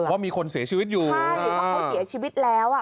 ว่ามีคนเสียชีวิตอยู่ใช่เพราะเขาเสียชีวิตแล้วอ่ะ